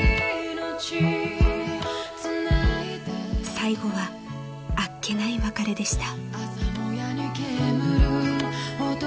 ［最後はあっけない別れでした］